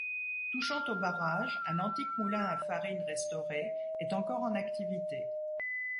Touchant au barrage, un antique moulin à farine, restauré, est encore en activité.